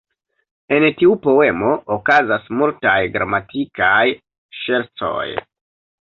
En tiu poemo okazas multaj gramatikaj ŝercoj.